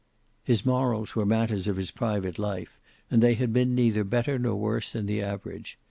His morals were matters of his private life, and they had been neither better nor worse than the average.